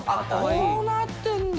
こうなってるんだ。